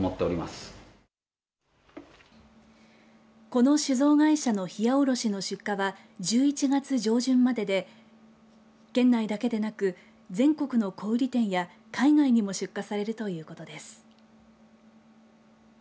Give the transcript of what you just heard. この酒造会社のひやおろしの出荷は１１月上旬までで県内だけでなく全国の小売店や海外にも出荷されるということです。